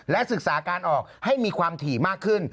ศึกษาการออกให้มีความถี่มากขึ้น